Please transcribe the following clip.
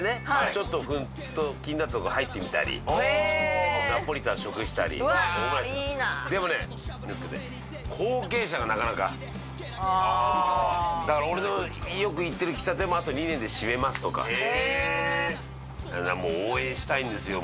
ちょっと気になったところ入ってみたりああナポリタン食したりうわいいなでもね後継者がなかなかああだから俺のよく行ってる喫茶店もあと２年で閉めますとかえもう応援したいんですよ